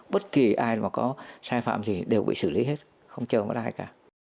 bất kỳ ai mà có sai phạm gì đều bị xử lý hết không chờ bất ai cả